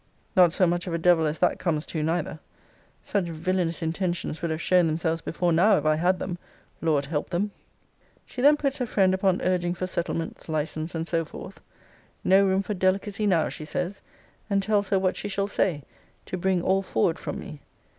Not so much of a devil as that comes to neither. Such villainous intentions would have shown themselves before now if I had them. Lord help them! She then puts her friend upon urging for settlements, license, and so forth. 'No room for delicacy now,' she says; and tells her what she shall say, 'to bring all forward from me.'